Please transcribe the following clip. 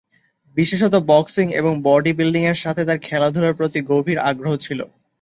বিশেষত বক্সিং এবং বডি বিল্ডিংয়ের সাথে তাঁর খেলাধুলার প্রতি গভীর আগ্রহ ছিল।